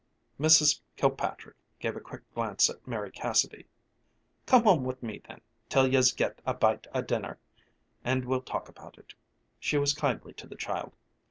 Mrs. Kilpatrick gave a quick glance at Mary Cassidy. "Come home with me then, till yez get a bite o' dinner, and we'll talk about it," she said kindly to the child.